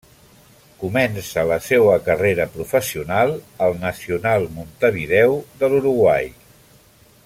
Comença la seua carrera professional al Nacional Montevideo de l'Uruguai.